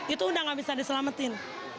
itu sudah tidak bisa diselamatin